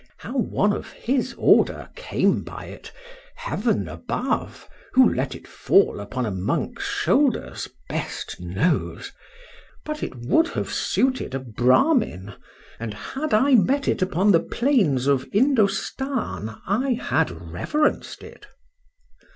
—How one of his order came by it, heaven above, who let it fall upon a monk's shoulders best knows: but it would have suited a Bramin, and had I met it upon the plains of Indostan, I had reverenced it.